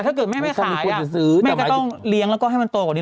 ถ้าเกิดแม่ไม่ขายแม่ก็ต้องเลี้ยงแล้วก็ให้มันโตกว่านี้